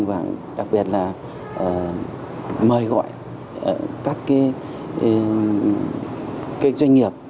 và đặc biệt là mời gọi các kênh doanh nghiệp cũng như các cơ quan chính quyền